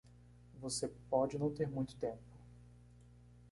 Você pode não ter muito tempo.